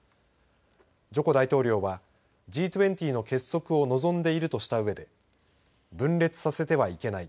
ジョコ大統領はＧ２０の結束を望んでいるとしたうえで分裂させてはいけない。